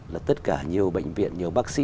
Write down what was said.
là tất cả nhiều bệnh viện nhiều bác sĩ